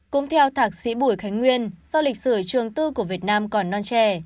cũng theo thạc sĩ bùi khánh nguyên do lịch sử trường tư của việt nam còn non trẻ